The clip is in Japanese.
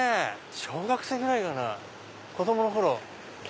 小学生ぐらいかな子供の頃。